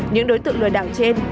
những đối tượng lừa đảo trên